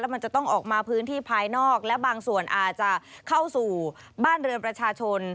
มันจะต้องออกมาพื้นที่ภายนอกและบางส่วนอาจจะเข้าสู่บ้านเรือนประชาชน